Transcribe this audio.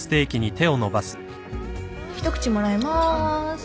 一口もらいまーす。